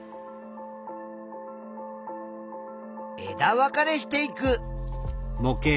枝分かれしていく。